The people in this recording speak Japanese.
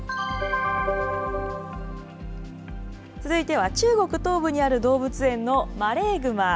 続いては中国東部にある動物園のマレーグマ。